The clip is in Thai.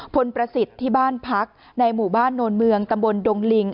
พลประสิทธิ์ที่บ้านพักในหมู่บ้านโนนเมืองตำบลดงลิง